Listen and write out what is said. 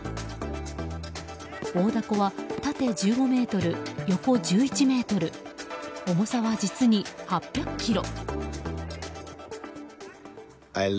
大だこは、縦１５ｍ、横１１ｍ重さは実に８００ｋｇ。